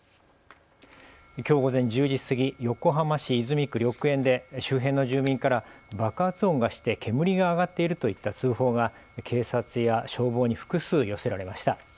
きょう午前１０時過ぎ、横浜市泉区緑園で周辺の住民から爆発音がして煙が上がっているといった通報が警察や消防に複数、寄せられました。